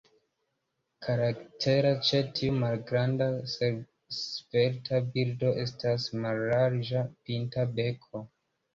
Karaktera ĉe tiu malgranda, svelta birdo estas la mallarĝa, pinta beko.